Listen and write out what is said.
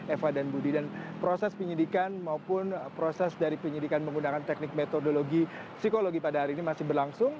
eva dan budi dan proses penyidikan maupun proses dari penyidikan menggunakan teknik metodologi psikologi pada hari ini masih berlangsung